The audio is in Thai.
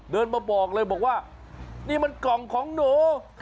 เดินมาบอกเลยบอกว่านี่มันกล่องของหนู